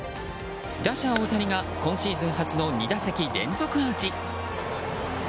打者・大谷が今シーズン初の２打席連続アーチ。